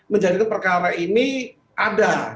menjadikan perkara ini ada